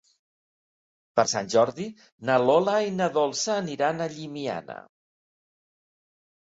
Per Sant Jordi na Lola i na Dolça aniran a Llimiana.